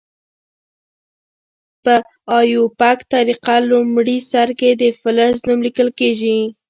په آیوپک طریقه لومړي سر کې د فلز نوم لیکل کیږي.